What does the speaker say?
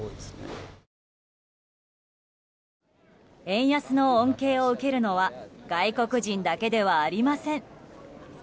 円安の恩恵を受けるのは外国人だけではありません。